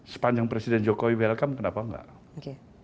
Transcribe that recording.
sepanjang presiden jokowi welcome kenapa enggak